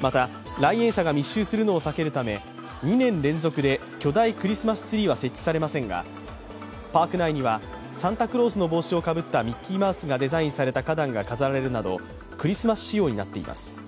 また、来園者が密集するのを避けるため２年連続で巨大クリスマスツリーは設置されませんが、パーク内にはサンタクロースの帽子をかぶったミッキーマウスがデザインされた花壇が飾られるなどクリスマス仕様になっています。